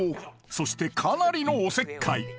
そしてかなりのおせっかい